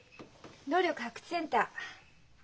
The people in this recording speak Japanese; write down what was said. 能力発掘センター。